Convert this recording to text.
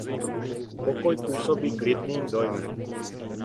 Pokoj působí klidným dojmem.